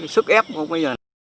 sức ép cũng bây giờ